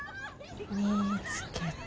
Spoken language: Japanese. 見つけた。